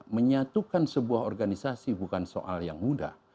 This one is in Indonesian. menyatukan sebuah organisasi bukan soal yang mudah